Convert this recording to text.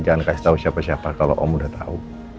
jangan kasih tau siapa siapa kalo om udah tau